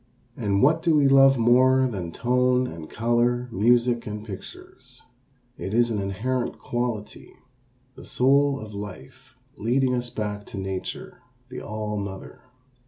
And what do we love more than tone and color, music and pictures? It is an inherent quality, the soul of life leading us back to nature, the All mother.